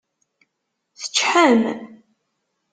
Teččḥem?